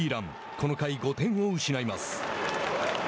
この回、５点を失います。